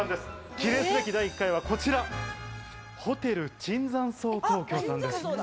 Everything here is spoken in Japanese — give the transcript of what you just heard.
記念すべき第１回はこちら、ホテル椿山荘東京さんです。